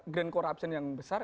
grand corruption yang besar